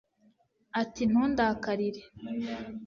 ati ntundakarire